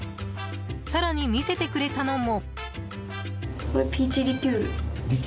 更に、見せてくれたのも。